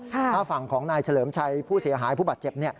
ถ้าฝั่งของนายเฉลิมชัยผู้เสียหายผู้บาดเจ็บ